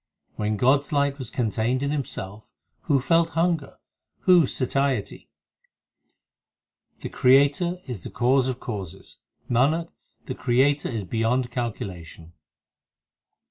When God s light was contained in Himself, Who felt hunger ? who satiety ? The Creator is the Cause of causes ; Nanak, the Creator is beyond calculation.